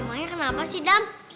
emangnya kenapa sih dam